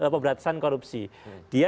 peberatasan korupsi dia